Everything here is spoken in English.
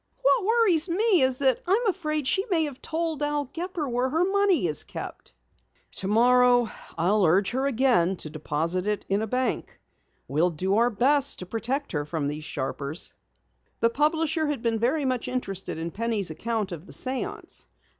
"What worries me is that I am afraid she may have told Al Gepper where the money is kept." "Tomorrow I'll urge her again to deposit it in a bank. We'll do our best to protect her from these sharpers." The publisher had been very much interested in Penny's account of the séance.